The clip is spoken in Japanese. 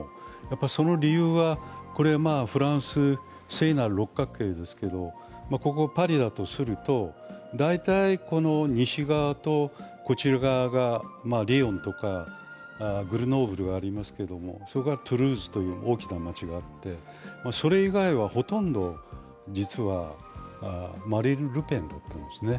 その理由は、フランス、聖なる六角形ですけれども、ここがパリだとすると、大体西側とこちら側がリオンとかグルノーブルがありますけれども、それからトゥールーズという大きな街があって、それ以外はほとんど実はマリーヌ・ルペンだったんですね。